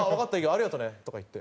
ありがとうね」とか言って。